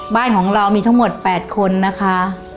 บ้านของเรามีทั้งหมด๘คนนะคะ